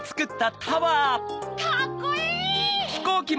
カッコいい！